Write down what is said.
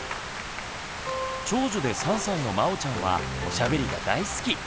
長女で３歳のまおちゃんはおしゃべりが大好き。